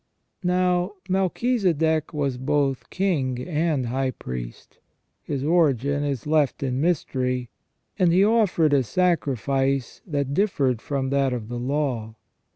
Now Melchisedec was both king and high priest, his origin is left in mystery, and he offered a sacrifice that differed from that of the Law.